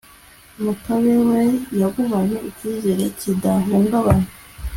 makabe we yagumanye icyizere kidahungabana